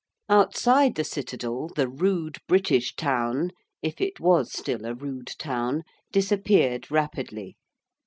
] Outside the Citadel the rude British town if it was still a rude town disappeared rapidly.